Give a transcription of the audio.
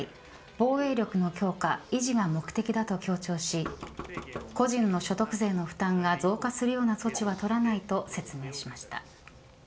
防衛力の強化、維持が目的だと強調し個人の所得税の負担が増加するような措置は取らないと説明しました。